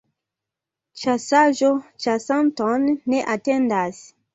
Ĉasaĵo ĉasanton ne atendas.